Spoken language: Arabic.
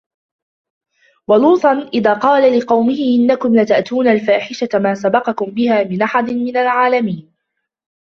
ولوطا إذ قال لقومه إنكم لتأتون الفاحشة ما سبقكم بها من أحد من العالمين